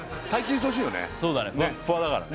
そうだね